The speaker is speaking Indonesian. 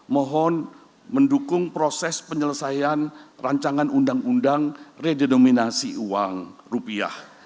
mohon mendukung proses penyelesaian rancangan undang undang redenominasi uang rupiah